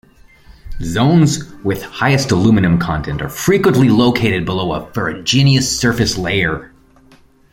Zones with highest aluminium content are frequently located below a ferruginous surface layer.